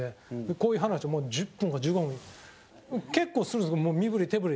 こういう話、１０分か１５分結構するんです、身振り手振り。